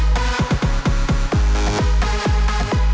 dasar sus goreng